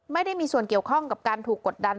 ไม่ได้มีส่วนเกี่ยวข้องกับการถูกกดดัน